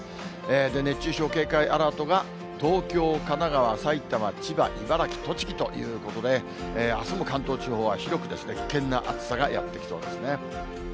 熱中症警戒アラートが東京、神奈川、埼玉、千葉、茨城、栃木ということで、あすも関東地方は広く危険な暑さがやって来そうですね。